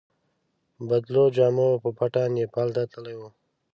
بدلو جامو په پټه نیپال ته تللی وای.